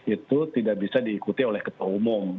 itu tidak bisa diikuti oleh ketua umum